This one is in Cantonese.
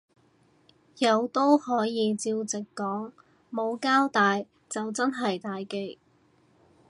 有都可以照直講，冇交帶就真係大忌